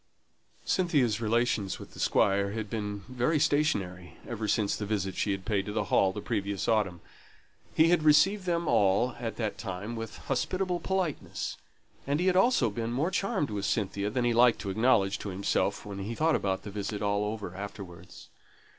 Cynthia's relations with the Squire had been very stationary ever since the visit she had paid to the Hall the previous autumn. He had received them all at that time with hospitable politeness, and he had been more charmed with Cynthia than he liked to acknowledge to himself when he thought the visit all over afterwards.